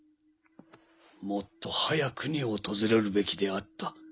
もっと早くに訪れるべきであった。